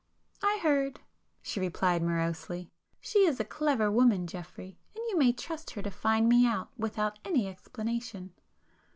"I heard,"—she replied morosely—"She is a clever woman, Geoffrey, and you may trust her to find me out without any explanation!"